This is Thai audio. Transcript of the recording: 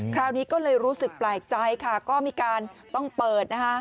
คราวนี้ก็เลยรู้สึกแปลกใจค่ะก็มีการต้องเปิดนะคะ